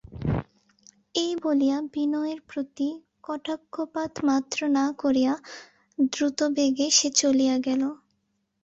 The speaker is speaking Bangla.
এই বলিয়া বিনয়ের প্রতি কটাক্ষপাত মাত্র না করিয়া দ্রুতবেগে সে চলিয়া গেল।